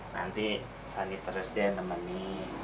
nanti sani terus deh nemenin